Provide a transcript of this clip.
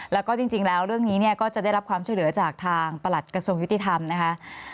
แล้วก็จริงแล้วเรื่องนี้เนี่ยก็จะได้รับความช่วยเหลือจากทางประหลัดกระทรวงยุติธรรมนะคะ